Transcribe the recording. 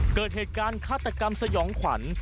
เกิดเหตุการณ์ฆาตกรรมสยองขวัญ